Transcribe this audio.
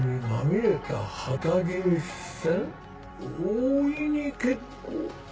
大いに結構。